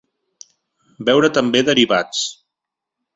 Veure també Derivats.